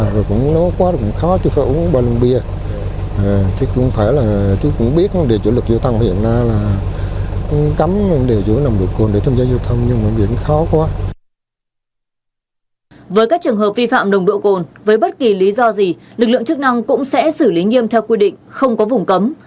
với các trường hợp vi phạm nồng độ cồn với bất kỳ lý do gì lực lượng chức năng cũng sẽ xử lý nghiêm theo quy định không có vùng cấm